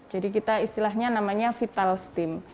jadi kita istilahnya namanya vital stim